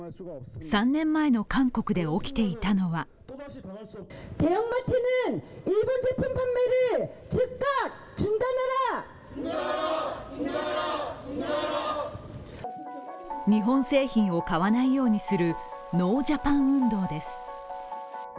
３年前の韓国で起きていたのは日本製品を買わないようにするノージャパン運動です。